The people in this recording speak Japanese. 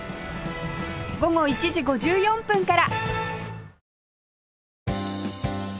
午後１時５４分から